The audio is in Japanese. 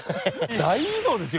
大移動ですよ